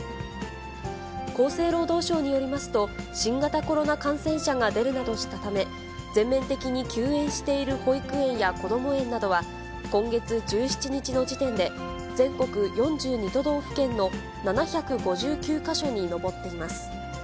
厚生労働省によりますと、新型コロナ感染者が出るなどしたため、全面的に休園している保育園やこども園などは、今月１７日の時点で、全国４２都道府県の７５９か所に上っています。